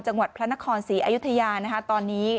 จังหวัดพระนครศรีอยุธยานะคะตอนนี้